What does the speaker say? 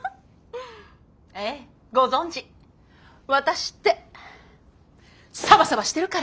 ええご存じワタシってサバサバしてるから！